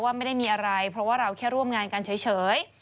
ไม่ได้มีอะไรเพราะว่าเราแค่ร่วมงานกันเฉย